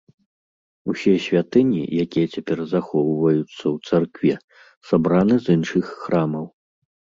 Усе святыні, якія цяпер захоўваюцца ў царкве, сабраны з іншых храмаў.